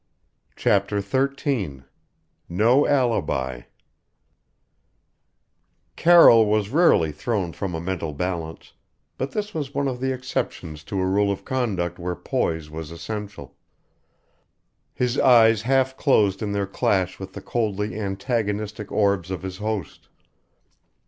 CHAPTER XIII NO ALIBI Carroll was rarely thrown from a mental balance, but this was one of the exceptions to a rule of conduct where poise was essential. His eyes half closed in their clash with the coldly antagonistic orbs of his host.